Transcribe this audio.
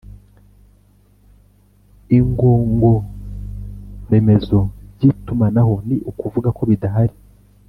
Ingongoremezo by’itumanaho ni ukuvuga ko bidahari